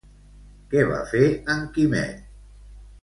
Què va fer en Quimet?